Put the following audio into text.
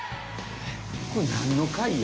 これなんの回や？